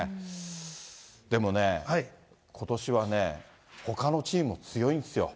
でもね、ことしはね、ほかのチームも強いんですよ。